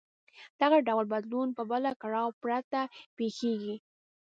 دغه ډول بدلون به له کړاو پرته پېښېږي.